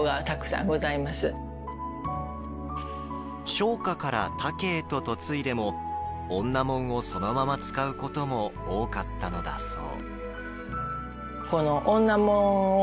商家から他家へと嫁いでも女紋をそのまま使うことも多かったのだそう。